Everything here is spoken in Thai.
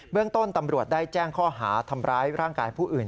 เรื่องต้นตำรวจได้แจ้งข้อหาทำร้ายร่างกายผู้อื่น